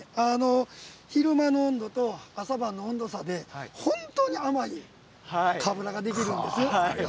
昼間の温度と朝晩の温度差で本当に甘いかぶらができるんですね。